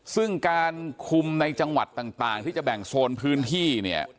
ซึ่งการคุมในจังหวัดต่างที่จะแบ่งโซนพื้นที่เนี่ย